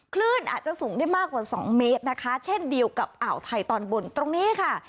คลื่นอาจจะสูงได้มากกว่า๒เมตรนะคะเช่นเดียวกับอ่าวไทยตอนบนตรงนี้ค่ะ